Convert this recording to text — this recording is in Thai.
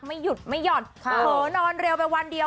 ไม่หยุดไม่ห่อนเผลอนอนเร็วไปวันเดียว